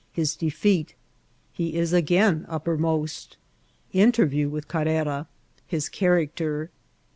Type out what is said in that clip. — His Defeat rHe is again nppennost— Intemew with Carrera.— His Character.